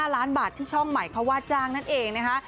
๕ล้านบาทที่ช่องใหม่เขาว่าจ้างนั่นเองนะคะ